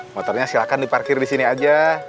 motor nya silahkan di parkir disini aja